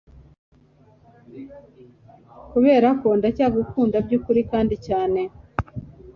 kuberako ndacyagukunda byukuri kandi cyane